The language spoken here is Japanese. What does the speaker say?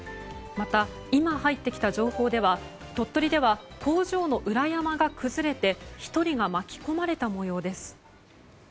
また、今入ってきた情報では鳥取では工場の裏山が崩れて１人が巻き込まれた模様です。